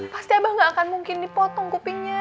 pasti abang gak akan mungkin dipotong kupingnya